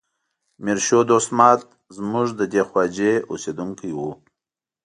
میر شو دوست ماد زموږ د ده خواجې اوسیدونکی و.